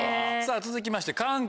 続きまして。